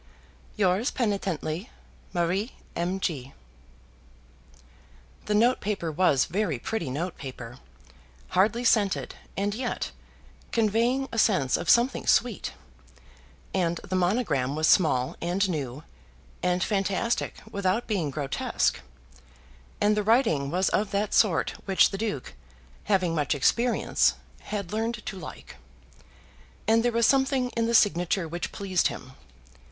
Yours penitently, MARIE M. G. The note paper was very pretty note paper, hardly scented, and yet conveying a sense of something sweet, and the monogram was small and new, and fantastic without being grotesque, and the writing was of that sort which the Duke, having much experience, had learned to like, and there was something in the signature which pleased him.